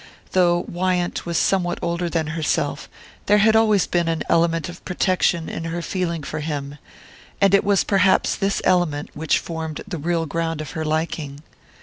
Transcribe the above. Though Wyant was somewhat older than herself there had always been an element of protection in her feeling for him, and it was perhaps this element which formed the real ground of her liking.